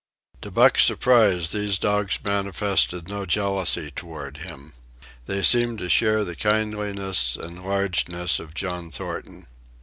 To Buck's surprise these dogs manifested no jealousy toward him. They seemed to share the kindliness and largeness of John Thornton.